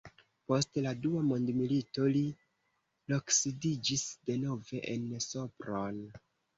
Post la dua mondmilito li loksidiĝis denove en Sopron.